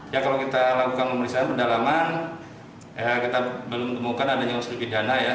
ya kalau kita lakukan pemeriksaan pendalaman kita belum temukan adanya unsur pidana ya